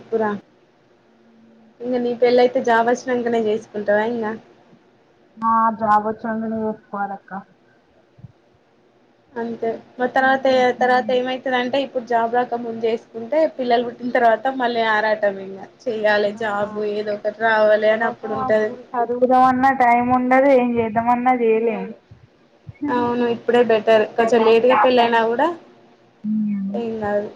ఇప్పురా ఇంకా నీ పెళ్ళయితే జాబు వచ్చినాకనే చేసుకుంటావా ఇంగా ఆ జాబ్ వచ్చినాకనే చేసుకోవాలి అక్క అంతే మ తర్వాత తర్వాత ఏమై దంటే ఇప్పుడు జాబ్ రాక ముందు చేసుకుంటే పిల్లలు పుట్టిన తర్వాత మళ్ళీ ఆరాటం ఇంగ చెయ్యాలి ఆ జాబ్ ఏదో ఒకటి రావాలి అని అప్పుడు ఉంటది చదువుదామన్నా టైం ఉండదు ఏం చేద్దామన్నా చేయలేము ఉండదు అవును ఇప్పుడే బెటర్ కొంచెం పిల్లలని లేట్గా పెళ్ళ అయినా వాళ్ళని గూడా ఏం కాదు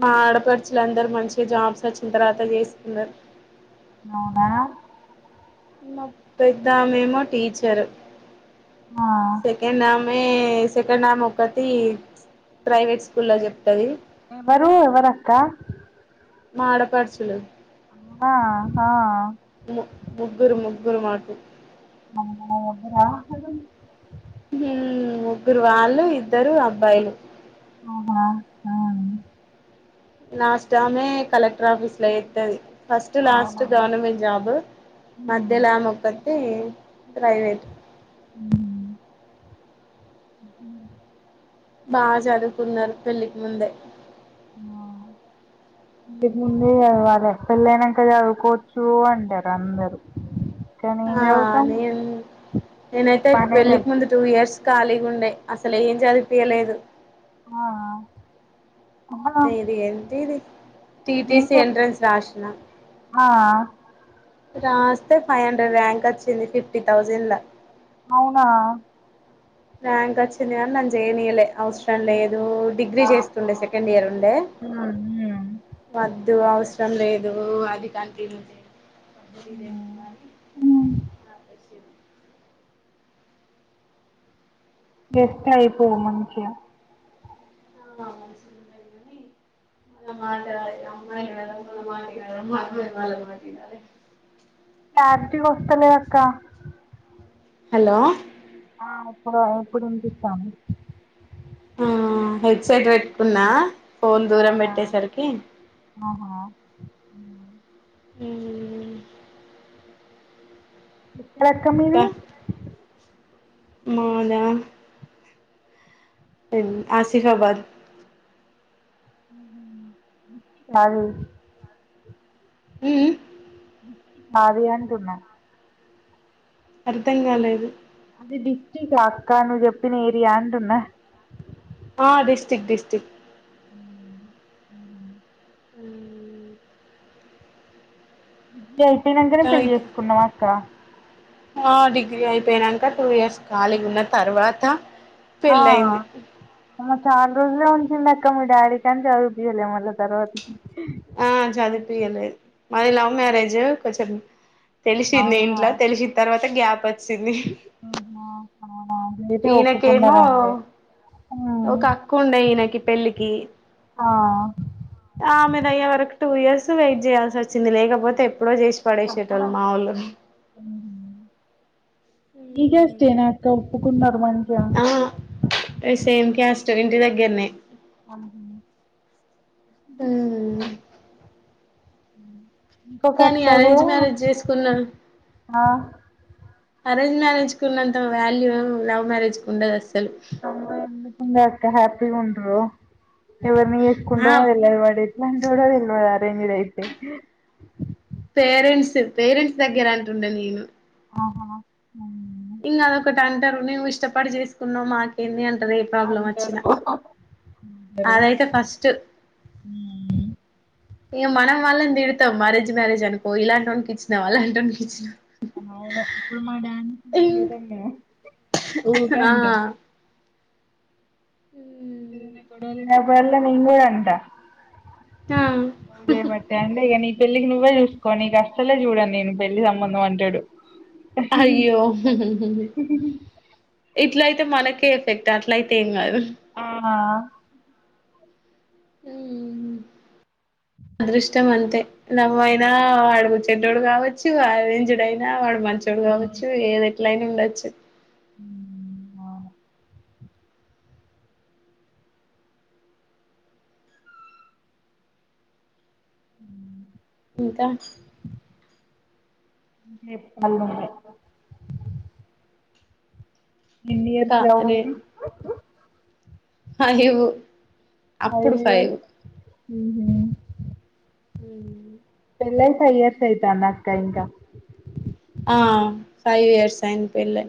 మా ఆడపడుచులు అందరు మంచిగా జాబ్స్ వచ్చిన తర్వాత చేసుకున్నారు అవునా మా పెద్దఆమేమో టీచర్ ఆ సెకండ్ ఆమే సెకండ్ ఆమె ఒకతీ ప్రైవేట్ స్కూల్ లో చెప్తది ఎవరు ఎవరక్క మా ఆడపడుచులు ఆ ఆ ము ముగ్గురు ముగ్గురు మాకు అమ్మో ముగ్గురా ఉం ముగ్గురు వాళ్ళు ఇద్దరు అబ్బాయిలు ఆహా ఆ లాస్ట్ ఆమె కలెక్టర్ ఆఫీస్ లో చెత్తది ఫస్ట్ లాస్ట్ అవునా గవర్నమెంట్ జాబ్ ఉమ్ మధ్యలో ఆమె ఒక్కతి ప్రైవేట్ హ [unintelligible] బాగా చదువుకున్నారు పెళ్ళికి ముందే మా పెళ్లికి ముందే చదవాల పెళ్ళ అయినాక చదువుకోవచ్చు అంటారు అందరు కానీ ఏం ఆ చదువుతాం నేను నేనైతే పనే పెళ్ళికి ముందు సరిపోతది టూ ఇయర్స్ ఖాళీగా ఉండే అసలు ఏం చదిపియలేదు ఆ ఆ [unintelligible] ఏంటి ఇది టీటీసి ఏంటి ఎంట్రెన్స్ రాసిన ఆ రాస్తే ఫైవ్ హండ్రెడ్ ర్యాంక్ వచ్చింది ఫిఫ్టీ థౌజండ్ ల అవునా ర్యాంక్ వచ్చింది కానీ నన్ను చేయన్నీయలే అవసరం లేదు డిగ్రీ చేస్తుండే సెకండ్ ఇయర్ ఉండే ఉమ్ వద్దు అవసరం లేదు అది కంటిన్యూదే ఉం వేస్తే అయిపోవు మంచిగా ఆ మ మా అమ్మ మ మల మా [unintelligible] క్లారిటీగా వస్తలే అక్క హలో ఆ ఇప్పుడు ఇప్పుడు వినిపిస్తోంది ఆ హెడ్ సైట్ పెట్టుకున్నా ఫోన్ దూరం అవునా పెట్టేసరికి ఆహ ఎక్కడ అక్క మీది మాద ఆసిఫబాద్ అవు ఊ మ్ నాది అంటున్నా అర్థం కాలేదు అది డిస్టక్ అక్కా నువ్వు చెప్పిన ఏరియా అంటున్నా ఆ డిస్టిక్ డిస్టిక్ ఆ ఇట్లా ఐపోనాకనే ఇంకా పెళ్లి ఇప్పుడు చేసుకున్నావ అక్క ఆ డిగ్రీ అయిపోనాక టూ ఇయర్స్ ఖాళీగా ఉన్న తర్వాత ఆ పెళ్ళయింది చాలా రోజులే అంటుంది అక్క మీ డాడీ కాని చదువుపియలే మళ్ళ తర్వాతకి ఆ చదువు పీయలేదు మాది లవ్ మ్యరేజ్ కొంచెం తెలిసింది అవునా ఆహా ఇంట్లో తెలిసిన తర్వాత గ్యాప్ వచ్చింది [unintelligible] ఆ నిజం ఈయనకేమో ఒప్పుకున్నారండి ఒక అక్క ఉండే ఈయనకి పెళ్ళికి ఆ ఆమెదయ్యే వరకు టూ ఇయర్స్ వెయిట్ చేయాల్సి వచ్చింది లేకపోతే ఎప్పుడో చేసి పడేషటోళ్లు మామూలుగా దిగేస్తేనా అక్క ఒప్పుకున్నారు మంచిగా ఆ సేమ్ క్యాస్ట్ ఇంటి దగ్గరనే ఆహ ఇంకొక కానీ అక్క అరేంజ్ కూడా మ్యారేజ్ చేసుకున్నా ఆ అరేంజ్ మ్యారేజ్ కు ఉన్నంత వాల్యూ లవ్ మ్యారేజ్ కు ఉండదు అస్సలు ఎందుకు అక్క హ్యాపీగా ఉండరు ఎవరిని ఆ చేసుకుంటామో అది ఎలా పడే ఎలాంటి వాడో అరేంజ్డ్ ఐతే పేరెంట్స్ పేరెంట్స్ దగ్గర అంటుండ నేను ఆహాహ్మ్ ఇంక అదొకటి అంటారు నువ్వు ఇష్టపడి చేసుకున్నావు మాకేంది అంటారు రేపు అందరు అదైతే ఫస్ట్ హ్మ్ ఇంక మనం వాళ్ళని తిడతాం అరేంజ్డ్ మ్యారేజ్ అనుకో ఇలాంటి వాళ్ళకిచ్చినాం అలాంటి వాళ్ళకిచ్చినాం అవును ఇప్పుడు మా డ్యాన్ ఆ [unintelligible] బ ఎల్ మీంగూ అంట హ అ చేయ బట్టే అంటే ఇక నీ పెళ్లికి నువ్వే చూసుకో నీ అస్లే చూడండి నేను పెళ్లి సంబంధం అంటాడు అయ్యో ఇట్ల అయితే మనకే ఎఫెక్ట్ అట్లయితే ఏం కాదు ఇంగా హ్మ్ అదృష్ట మంతే లవ్ ఐనా ఆడగుట్ చెడ్డోడు కావచ్చు అరేంజ్డ్ అయినా వాడు మంచోడు కావచ్చు ఏది ఎట్లయినా ఉండొచ్చు ఉ ఇంకా అంటే పల్డి ఎన్ని కా ఇయర్స్ లవ్ రే మీది ఫైవ్ ఫైవ్ ఇయర్స్ ఉమ్ ఉ పెళ్ళై ఫైవ్ ఇయర్స్ అయితాంద అక్క ఇంకా ఆ ఫైవ్ ఇయర్స్ అయింది పెళ్లై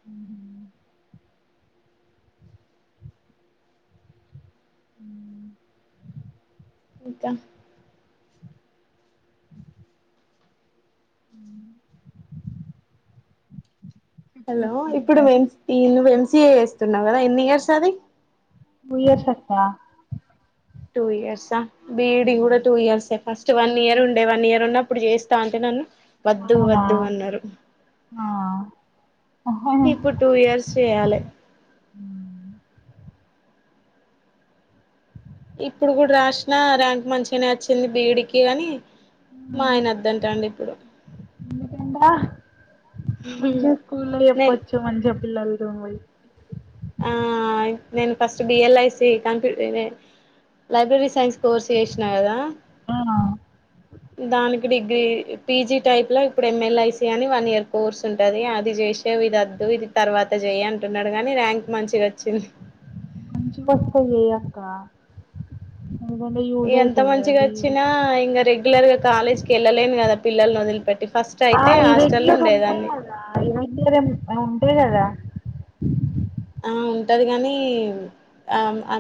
ఉ ఉ ఇంకా అ హలో ఇప్పుడు ఈ నువ్వు ఎంసిఏ చేేస్తున్నావు కదా ఎన్ని ఇయర్స్ అది టు ఇయర్స్ అక్క టూ ఇయర్సా బిఈడి కూడా టూ ఇయర్సే ఫస్ట్ వన్ ఇయర్ ఉండే వన్ ఇయర్ ఉన్న అప్పుడు చేస్తా అంటే నన్ను వద్దు అవునా వద్దు అన్నారు ఆ ఇప్పుడు టూ ఇయర్స్ చెయ్యాలి ఇప్పుడు కూడా రాసినా ర్యాంక్ మంచిగానే వచ్చింది బిఈడికి గానికి మా ఆయన వద్దంటాండు ఇప్పుడు ఎందుకంటా మంచి స్కూల్లో నేను చేప్పొచ్చు మంచిగా పిల్లలతో పోయి నేను ఫస్ట్ బిఎల్ఐసి కంప్యూటరే లైబ్రరీ సైన్స్ కోర్స్ చేసినా కదా ఆ దానికి డిగ్రీ పిజీ టైప్లో ఇప్పుడు ఎంఎల్ఐసి అని వన్ ఇయర్ కోర్స్ ఉంటుంది అది చేసి ఇది వద్దు ఇది తర్వాత చేయి అంటున్నాడు కానీ ర్యాంక్ మంచిగా వచ్చింది మంచిగా వస్తే చేయక్క ఎంత మంచిగా బిఈడి వచ్చినా ఇంకా రెగ్యులర్గా కాలేజ్ కి వెళ్ళలేను కదా పిల్లల్ని వదిలిపెట్టి ఫస్ట్ అయితే హాస్టల్లో ఉండేదాన్ని ఇవంటరిం అంతే కదా ఆ ఉంటది కానీ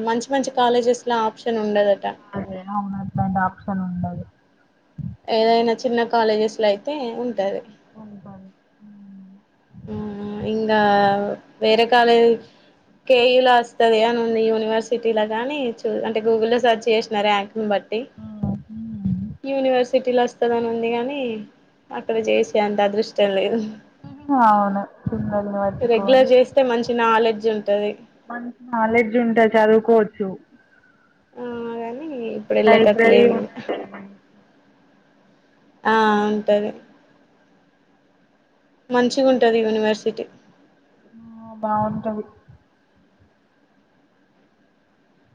మంచి మంచి కాలేజెస్లో ఆప్షన్ ఉండదట అదేనా అవున్నట్లాంటి ఆప్షన్ ఉండదు ఏదైనా చిన్న కాలేజెస్లో అయితే ఉంటది ఉంటంది ఇంకా వేరే కాలేజీ కేయులో వస్తది అని ఉంది యూనివర్సిటీలో గాని చూ అంటే గూగుల్లో సెర్చ్ చేసిన రాంక్ని బట్టి అవునా యూనివర్సిటీలో వస్తదని ఉంది కాగాని అక్కడ చేసే అంత అదృష్టం లేదు అవును ఉండదు మరి రెగ్యులర్ చేస్తే మంచి నాలెడ్జ్ ఉంటది మంచి నాలెడ్జ్ ఉంటే చదువుకోవచ్చు ఆ గాని ఇప్పుడు వెళ్లేటట్టు లైబ్రరీ లేదిగా ఉంటే ఆ ఉంటంది మంచిగా ఉంటది యూనివర్సిటీ ఆ బాగుంటది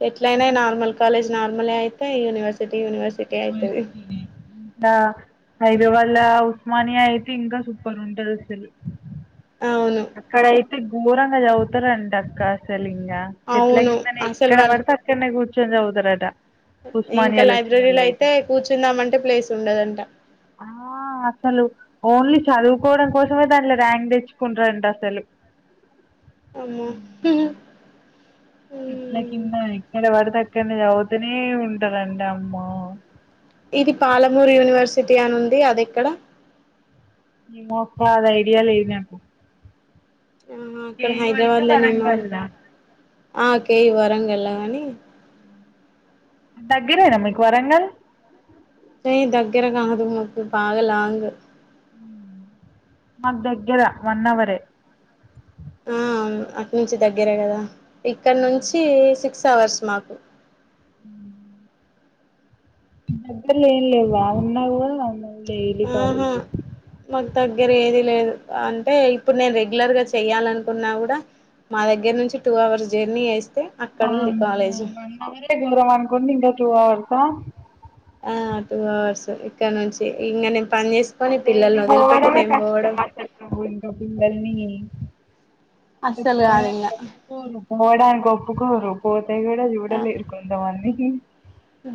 ఎట్లయినా నార్మల్ కాలేజ్ నార్మలే అయిపాయె యూనివర్సిటీ యూనివర్ మర్స్తనే కా హైదరాబాద్ ల ఉస్మానియా అయితే ఇంకా సూపర్ ఉంటది అసలు అవును అక్కడయితే ఘోరంగా చదువుతారంట అక్క అసలు ఇంకా చెట్ల అవును కిందనే అసలు ఎక్కడ వాళ్ళు పడితె అక్ క్కన్నే కూర్చోని చదువుతారట ఇంకా ఉస్మానియాలో వచ్చినోళ్ళు లైబ్రరీలో అయితే కూర్చుందమంటే ప్లేస్ ఉండదంట ఆ అసలు ఓన్లీ చదువుకోవడం కోసమే దాంట్లే ర్యాంక్ తెచ్చుకుంటారంట అసలు అమ్మో ఇట్ల కింద ఎక్కడ పడితే అక్కన్నే చదువుతనే ఉంటారంట అమ్మో ఇది పాలమూరు యూనివర్సిటీ అని ఉంది అది ఎక్కడ ఏమో అక్క అది ఐడియా లేదు నాకు అహ అక్కడ కేయూ అయితే హైదరాబాద్లనేమో వరంగల్లా ఆ కేయు వరంగళ్ళ కాని దగ్గరేనా మీకు వరంగల్ ఏ దగ్గర కాదు మకు బగా లాంగ్ మకు దగ్గర వన్ అవరే ఆ అవును అక్కనుంచి దగ్గర కదా ఇక్కడ నుంచి సిక్స్ అవర్స్ మాకు మ్మ్మ్మ్ దగ్గర్లో ఏం లేవ్వ ఉన్న కుడా [unintelligible] ఆహా మాకు దగ్గర ఏది లేదు అంటే ఇప్పుడు నేను రెగ్యులర్ గా చెయాలనుకున్నా కూడా మా దగ్గర నుంచి టూ అవర్స్ జర్నీ వేస్తే అక్కడ ఉంది కాలేజ్ అదే దూరం అనుకుంటే ఇంకా టూ అవర్స్ ఆ ఆ టూ అవర్స్ ఇక్కడ నుంచి ఇంగ నేను పని చేసుకొని పిల్లల్ని వదిలిపెట్టి నేను పోవడం నువ్వు ఇంకా పిల్లల్ని అస్సలు కాదు చూసుకోవడమే ఇంగ సరిపో పోను పోవడానికి ఒప్పుకోరు పోతే కూడా ఆ చూడలేరు కొంతమంది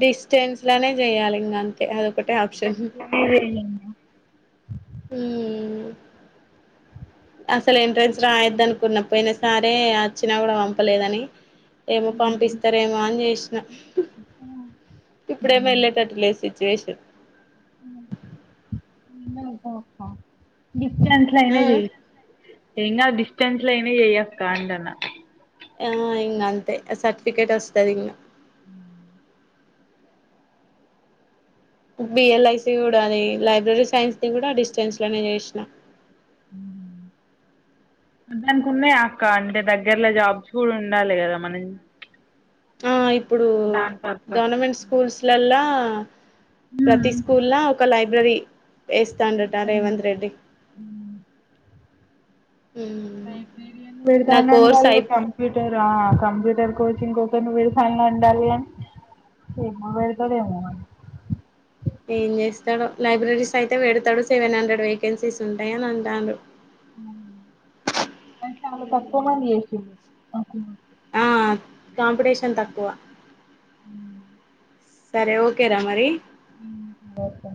డిస్టెన్స్ లానే చేయాలి ఇంగ అంతే అది ఒకటే ఆప్షన్ అదే అదే మ్మ్ అసలు ఎంట్రెన్స్ రాయొద్దనుకున్న పోయిన సరే వచ్చినా కూడా పంపలేదని ఏమో పంపిస్తారేమో అని చేసినా ఇప్పుడేమో ఏళ్ళేటట్టు లేదు సిచివేషన్ డిస్టెన్స్ లో అయిన ఆ చేయ్ ఎంకాదు డిస్టెన్స్ లో ఐన చెయ్ అక్క అంటన ఆ ఇంగ అంతే సర్టిఫికేట్ వస్తది ఇంగ అ బిఎల్ఐసి కూడా అది లైబ్రరీ సైన్స్ ది కూడా డిస్టెన్స్ లనే చేసినా మ్ దానికి ఉన్నాయ అక్క అంటే దగ్గర్లో జాబ్స్ కూడా ఉండాలి కదా మనం ఆ ఇప్పుడు దాని పర్పస్ గవర్నమెంట్ స్కూల్స్ లల్ల ప్రతి స్కూల్ల ఒక లైబ్రరీ వేస్తాండట రేవంత్ రెడ్డి మ్మ్ లైబ్రరీయాన్ నా పెడుతాండూ కోర్స్ అంటల్లు అయి కం ప్యూటర్ ఆ కంప్యూటర్ కోచింగ్ కి ఒకర్ని పెడుతాళ్లు అంటల్లు గా [unintelligible] ఏం చేస్తా లైబ్రరీస్ అయితే పెడతాడు సెవెన్ హండ్రెడ్ వేకెన్సీస్ ఉంటాయ అని అంటారు అవి చాల తక్కువ మంది [unintelligible] ఆ కాంపిటీషన్ తక్కువ ఉ సరే ఓకేర మరి ఒకే